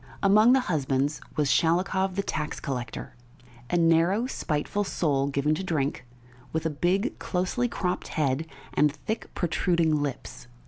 Among the husbands was Shalikov, the tax collector a narrow, spiteful soul, given to drink, with a big, closely cropped head, and thick, protruding lips.